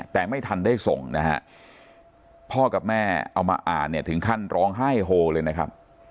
แต่ไม่ทันได้ส่งนะฮะพ่อกับแม่เอามาอ่านเนี่ยถึงขั้นร้องไห้โฮเลยนะครับ